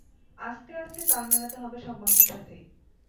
আস্তে আস্তে তাল মেলাতে হবে সব মানুষের সাথে।